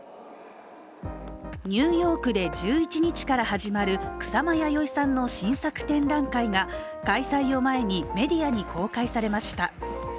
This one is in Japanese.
ニューヨークで１１日から始まる草間彌生さんの新作展覧会が、開催を前にメディアに公開されました。